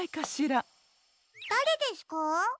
だれですか？